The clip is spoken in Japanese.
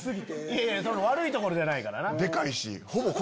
いや悪いところじゃないからな。